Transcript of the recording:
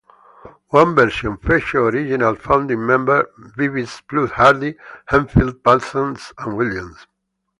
One version featured original founding member Bivins, plus Hardy, Hemphill, Pazant and Williams.